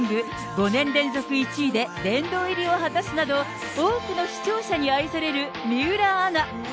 ５年連続１位で、殿堂入りを果たすなど、多くの視聴者に愛される水卜アナ。